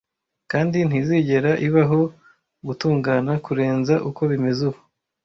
Kandi ntizigera ibaho gutungana kurenza uko bimeze ubu,